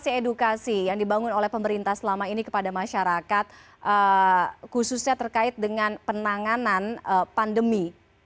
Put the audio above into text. apa sih edukasi yang dibangun oleh pemerintah selama ini kepada masyarakat khususnya terkait dengan penanganan pandemi